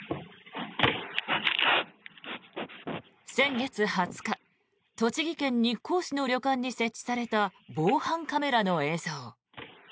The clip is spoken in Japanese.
先月２０日栃木県日光市の旅館に設置された防犯カメラの映像。